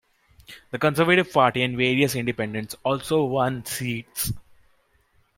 The Conservative Party and various independents also won seats.